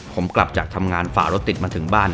ผมกลับจากทำงานฝ่ารถติดมาถึงบ้าน